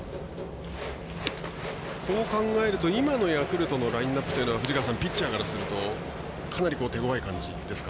こう考えると今のヤクルトのラインアップというと藤川さん、ピッチャーからするとかなり手ごわい感じですか？